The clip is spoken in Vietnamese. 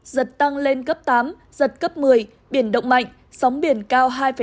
giật tăng lên cấp tám giật cấp một mươi biển động mạnh sóng biển cao hai